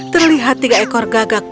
terlihat tiga ekor gagak